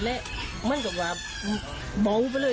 วิทยาลัยศาสตร์อัศวินตรี